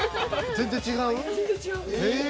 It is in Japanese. ◆全然違う。